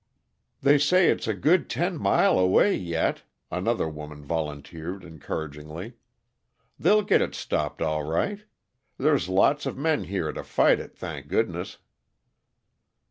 "They say it's a good ten mile away yet," another woman volunteered encouragingly. "They'll git it stopped, all right. There's lots of men here to fight it, thank goodness!"